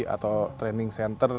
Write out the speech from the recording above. atau training center